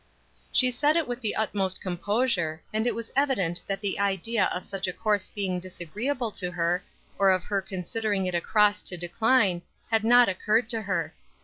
She said it with the utmost composure, and it was evident that the idea of such a course being disagreeable to her, or of her considering it a cross to decline, had not occurred to her.